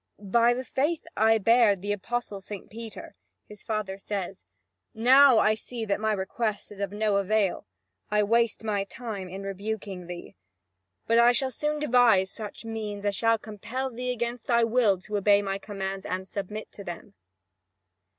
"By the faith I bear the Apostle St. Peter," his father says, "now I see that my request is of no avail. I waste my time in rebuking thee; but I shall soon devise such means as shall compel thee against thy will to obey my commands and submit to them."